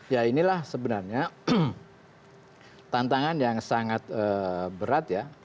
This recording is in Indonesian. ya inilah sebenarnya tantangan yang sangat berat ya